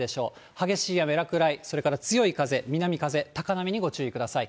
激しい雨や落雷、それから強い風、南風、高波にご注意ください。